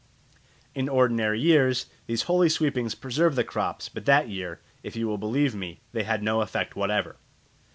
In ordinary years these holy sweepings preserve the crops; but that year, if you will believe me, they had no effect whatever.